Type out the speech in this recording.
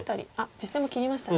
実戦も切りましたね。